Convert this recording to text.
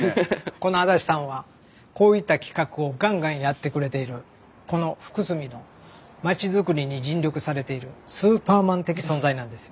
この安達さんはこういった企画をガンガンやってくれているこの福住の町づくりに尽力されているスーパーマン的存在なんですよ。